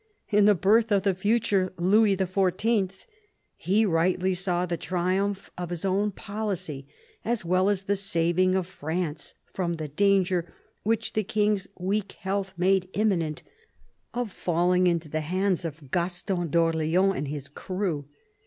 In the birth of the future Louis XIV. he rightly saw the triumph of his own policy as well as the saving of France from the danger, which the King's weak health made imminent, of falling into the hands of Gaston d'0rl6ans and his crew.